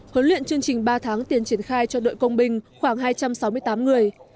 huấn luyện chương trình ba tháng tiền triển khai cho đội công binh khoảng hai trăm sáu mươi tám người